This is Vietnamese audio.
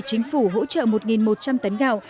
chính phủ hỗ trợ một một trăm linh tấn gạo